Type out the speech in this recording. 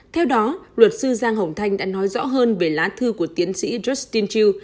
theo đó luật sư giang hồng thanh đã nói rõ hơn về lá thư của tiến sĩ justin ju